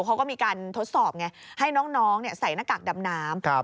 เขาก็มีการทดสอบไงให้น้องใส่หน้ากากดำน้ำ